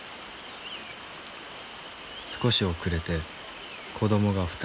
少し遅れて子どもが２人。